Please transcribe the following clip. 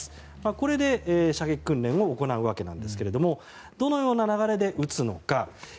これで射撃訓練を行うわけなんですけれどもどのような流れで撃つのか。